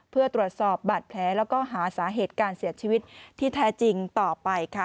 เพื่อตรวจสอบบาดแผลแล้วก็หาสาเหตุการเสียชีวิตที่แท้จริงต่อไปค่ะ